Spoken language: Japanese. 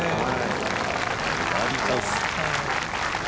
バーディーチャンス。